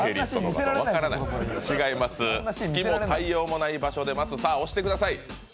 違います、月も太陽もない場所で待つ、さあ押してください。